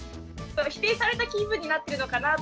否定された気分になってるのかなぁと思って。